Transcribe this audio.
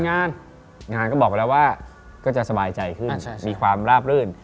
งานงานก็บอกไปแล้วว่าก็จะสบายใจขึ้นมีความราบรื่น